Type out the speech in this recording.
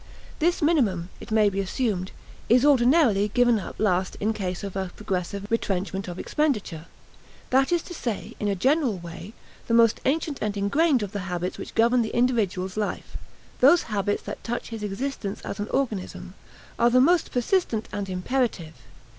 This minimum, it may be assumed, is ordinarily given up last in case of a progressive retrenchment of expenditure. That is to say, in a general way, the most ancient and ingrained of the habits which govern the individual's life those habits that touch his existence as an organism are the most persistent and imperative.